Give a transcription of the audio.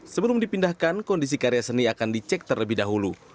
sebelum dipindahkan kondisi karya seni akan dicek terlebih dahulu